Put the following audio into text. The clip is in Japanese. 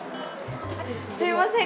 すみません。